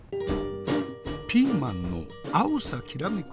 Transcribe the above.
ピーマンの青さきらめく